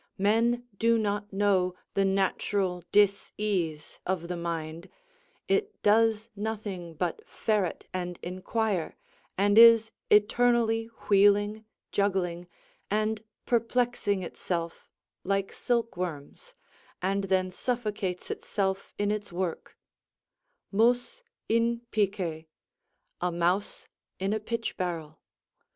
Men do not know the natural disease of the mind; it does nothing but ferret and inquire, and is eternally wheeling, juggling, and perplexing itself like silkworms, and then suffocates itself in its work; "Mus in pice." ["A mouse in a pitch barrel."